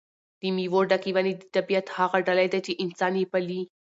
د مېوو ډکې ونې د طبیعت هغه ډالۍ ده چې انسان یې پالي.